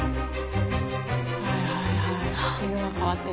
はいはいはい色が変わってる。